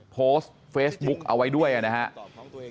โพสต์เฟซบุ๊กเอาไว้ด้วยนะครับ